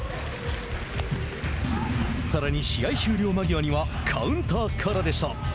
さらに試合終了間際にはカウンターからでした。